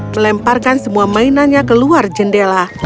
melemparkan semua mainannya keluar jendela